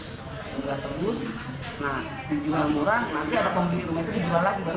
buat tebus dijual murah nanti ada pembeli rumah itu dijual lagi